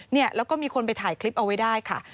เนี่ยแล้วก็มีคนไปถ่ายคลิปเอาไว้ได้ค่ะ